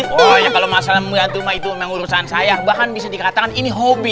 oh ya kalo mas salam ya itu mah itu emang urusan saya bahkan bisa dikatakan ini hobi